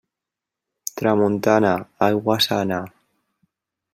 Tramuntana, aigua sana.